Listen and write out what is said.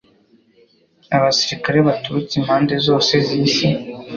Abasirikare baturutse impande zose z'isi